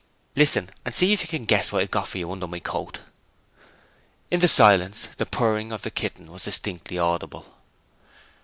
'Listen, and see if you can guess what I've got for you under my coat.' In the silence the purring of the kitten was distinctly audible.